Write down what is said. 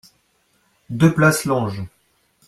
deux place Lange